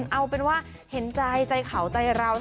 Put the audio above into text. เอาเป็นว่าเห็นใจใจเขาใจเรา